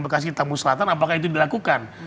bekasi tamu selatan apakah itu dilakukan